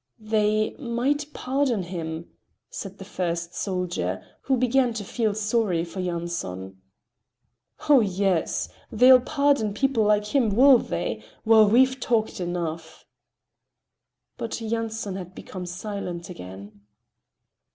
"They might pardon him," said the first soldier, who began to feel sorry for Yanson. "Oh, yes! They'll pardon people like him, will they? Well, we've talked enough." But Yanson had become silent again.